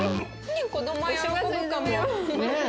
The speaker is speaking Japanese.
子どもは喜ぶかも。